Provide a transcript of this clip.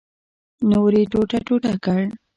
نور یې ټوټه ټوټه کړ.